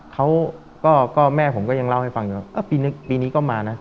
เขาก็แม่ผมก็ยังเล่าให้ฟังอยู่ว่าปีนี้ปีนี้ก็มานะ